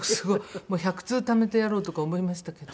もう１００通ためてやろうとか思いましたけど。